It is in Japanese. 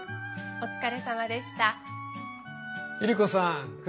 お疲れさまでした。